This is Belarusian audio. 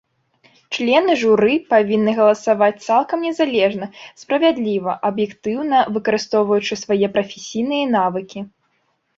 Члены журы павінны галасаваць цалкам незалежна, справядліва, аб'ектыўна, выкарыстоўваючы свае прафесійныя навыкі.